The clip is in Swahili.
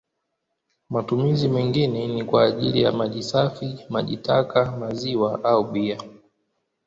Matumizi mengine ni kwa ajili ya maji safi, maji taka, maziwa au bia.